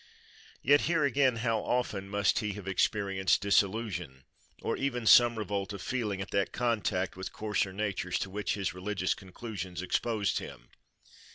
Yet here again, how often must he have experienced disillusion, or even some revolt of feeling, at that contact with coarser natures to which his religious conclusions exposed him.